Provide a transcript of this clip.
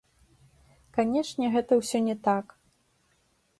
Канечне, гэта ўсё не так.